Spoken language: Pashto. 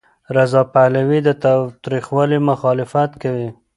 رضا پهلوي د تاوتریخوالي مخالفت کوي.